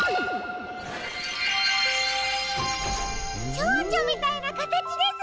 チョウチョみたいなかたちです！